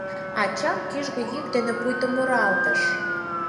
Ачам кӱжгӧ йӱк дене пуйто муралтыш.